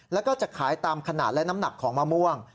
แล้วก็จะขายตามขนาดและน้ำหนักของมะม่วง